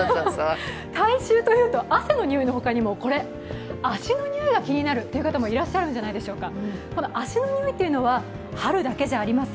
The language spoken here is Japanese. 体臭というと、汗のにおいの他にも足のにおいが気になる人もいるんじゃないでしょうか。